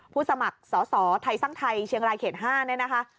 ผู้สมัครสอดสอดท้ายสร้างไทยเชียงรายเขต๕นี่นะฮะ